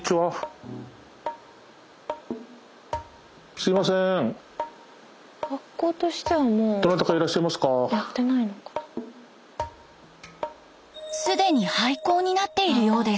すでに廃校になっているようです。